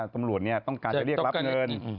ตำรวจต้องการจะเรียกรับเงิน